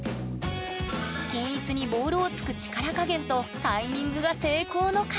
均一にボールを突く力加減とタイミングが成功の鍵！